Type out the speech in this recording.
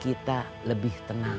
kita lebih tenang